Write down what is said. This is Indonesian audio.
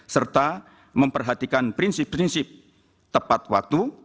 serta memperhatikan prinsip prinsip tepat waktu